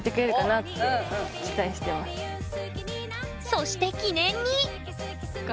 そして記念に！